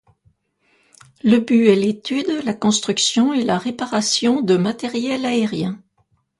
Le but est l'étude, la construction et la réparation de matériel aérien.